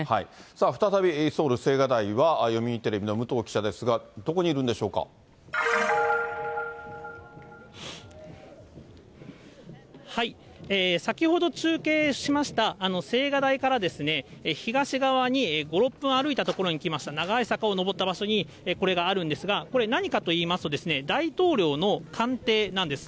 さあ再び、ソウル・青瓦台は読売テレビの武藤記者ですが、どこにいるんでし先ほど中継しました、青瓦台から東側に５、６分歩いた所に来ました、長い坂を上った場所にこれがあるんですが、これ何かといいますと、大統領の官邸なんです。